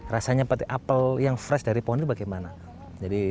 rasanya apel yang fresh dari pohon ini bagaimana